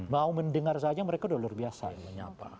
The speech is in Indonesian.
mau mendengar saja mereka udah luar biasa yang menyapa